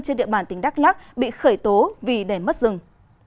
trên địa bàn tỉnh đắk lạc bị khởi tố vì đầy mất rừng